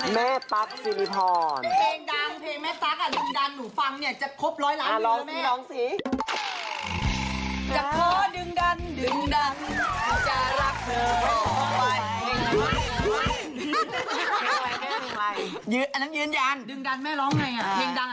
แม่ตั๊กซิริธรณ์เพลงดังเพลงแม่ตั๊กอ่ะทีดันหนูฟังเนี่ยจะเปลี่ยนกับแม่ตั๊กซิริธรณ์